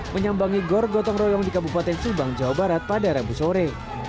menyambangi gor gotong royong di kabupaten subang jawa barat pada rabu sore